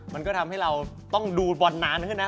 มันก็ทำให้เราต้องดูบอลนานขึ้นนะ